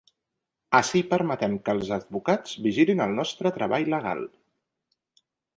Ací permetem que els advocats vigilin el nostre treball legal.